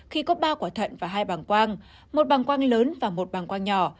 khi có ba quả thận và hai bảng quang một bảng quang lớn và một bảng quang nhỏ